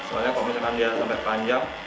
soalnya kalau misalkan dia sampai panjang